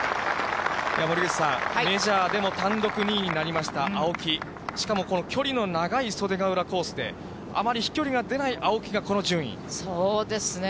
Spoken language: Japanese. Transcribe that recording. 森口さん、メジャーでも単独２位になりました、青木、しかも、この距離の長い袖ヶ浦コースで、あまり飛距離が出ない青木がこのそうですね。